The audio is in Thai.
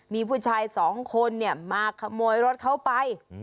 มีผู้ชายสองคนเนี่ยมาขโมยรถเขาไป